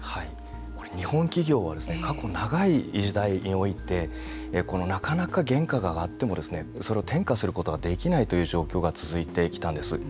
これ、日本企業は過去長い時代においてこのなかなか原価が上がってもそれを転嫁することができないという状況が続いてきたんです。